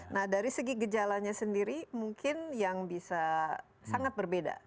nah dari segi gejalanya sendiri mungkin yang bisa sangat berbeda